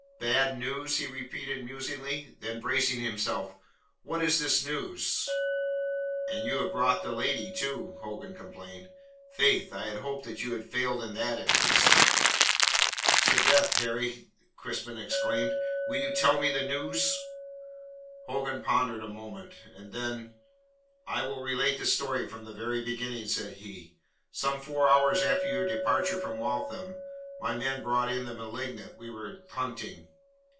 "Bad news?" he repeated musingly. Then bracing himself, "What is this news?" "And you have brought the lady too!" Hogan complained. "Faith, I had hoped that you had failed in that at least." "Sdeath, Harry," Crispin exclaimed. "Will you tell me the news?" Hogan pondered a moment. Then: "I will relate the story from the very beginning," said he. "Some four hours after your departure from Waltham) my men brought in the malignant we were hunting.